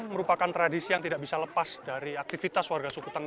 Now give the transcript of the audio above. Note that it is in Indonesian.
mereka dan waktu ini ini sangat banyak kota electrif lihat nama bangsa nuestra ur ke kanan